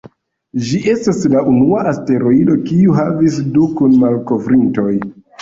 Ĝi estas la unua asteroido, kiu havis du kun-malkovrintoj.